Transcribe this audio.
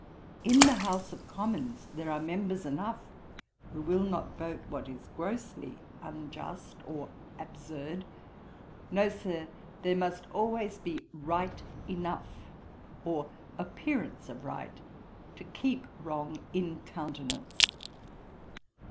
In the House of Commons there are members enough who will not vote what is grossly unjust or absurd. No, Sir, there must always be right enough, or appearance of right, to keep wrong in countenance.'